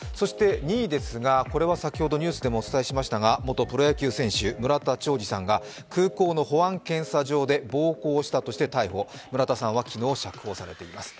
２位ですが、これは先ほどニュースでもお伝えしましたが、元プロ野球選手、村田兆治さんが空港の保安検査場で暴行したとて逮捕、村田さんは昨日、釈放されています